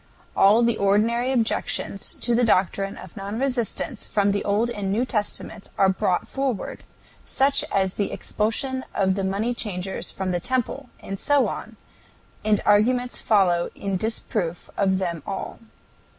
All the ordinary objections to the doctrine of non resistance from the Old and New Testaments are brought forward, such as the expulsion of the moneychangers from the Temple, and so on, and arguments follow in disproof of them all.